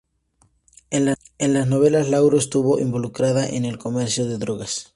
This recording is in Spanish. En las novelas, Laura estuvo involucrada en el comercio de drogas.